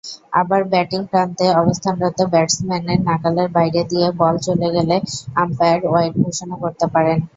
আবার, ব্যাটিং প্রান্তে অবস্থানরত ব্যাটসম্যানের নাগালের বাইরে দিয়ে বল চলে গেলে আম্পায়ার ওয়াইড ঘোষণা করতে পারেন।